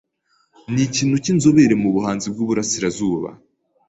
Ni ikintu cyinzobere mubuhanzi bwiburasirazuba.